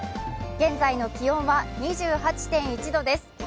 現在の気温は２８．１度です。